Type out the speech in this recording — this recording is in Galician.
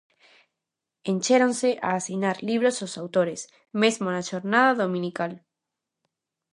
Enchéronse a asinar libros os autores, mesmo na xornada dominical.